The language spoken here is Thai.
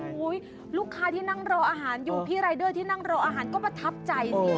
ลูกค้าที่นั่งรออาหารอยู่พี่รายเดอร์ที่นั่งรออาหารก็ประทับใจสิ